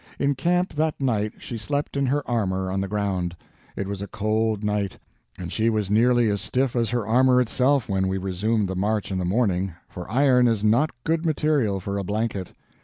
In camp that night she slept in her armor on the ground. It was a cold night, and she was nearly as stiff as her armor itself when we resumed the march in the morning, for iron is not good material for a blanket.